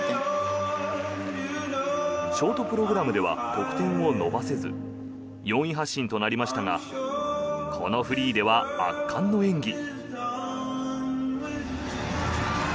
ショートプログラムでは得点を伸ばせず４位発進となりましたがこのフリーでは圧巻の演技。